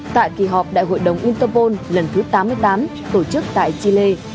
tại kỳ họp đại hội đồng interpol lần thứ tám mươi tám tổ chức tại chile